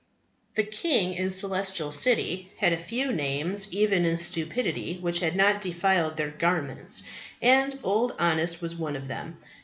The King of the Celestial City had a few names even in Stupidity which had not defiled their garments, and Old Honest was one of them.